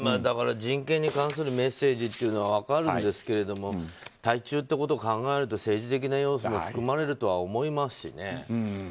人権に関するメッセージというのは分かるんですけれども対中ということを考えると政治的な要素も含まれると思いますしね。